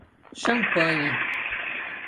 Champanhe!